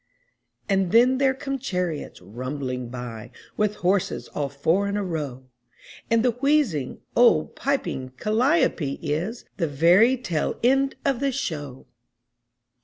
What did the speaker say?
And then there come chariots rumbling by With horses all four in a row; And the wheezing, old, piping calliope is The very tail end of the show!